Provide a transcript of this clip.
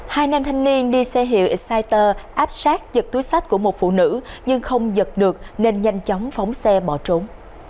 hai nam thanh niên đi xe hiệu exciter áp sát giật túi sách của một phụ nữ nhưng không giật được nên nhanh chóng phóng xe bỏ trốn